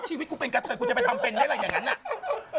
ชีวิตกูเป็นกะเถิดกูจะไปทำเป็นอะไรอย่างนั้น